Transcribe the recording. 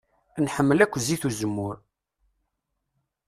Nḥemmel akk zzit n uzemmur.